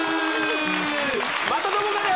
またどこかで！